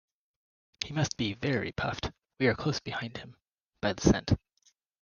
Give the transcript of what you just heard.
He must be very puffed; we are close behind him, by the scent.